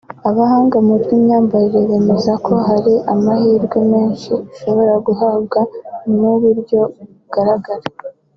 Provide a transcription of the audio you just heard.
Abahanga mu by’ imyambarire bemeza ko hari amahirwe menshi ushobora guhabwa n’ uburyo ugaragara